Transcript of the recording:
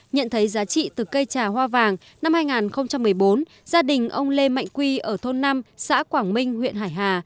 nhận thấy giá trị từ cây trà hoa vàng năm hai nghìn một mươi bốn gia đình ông lê mạnh quy ở thôn năm xã quảng minh huyện hải hà